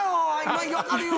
分かるよ。